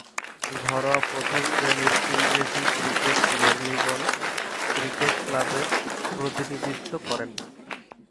ঘরোয়া প্রথম-শ্রেণীর ইংরেজ ক্রিকেটে মেরিলেবোন ক্রিকেট ক্লাবের প্রতিনিধিত্ব করেন।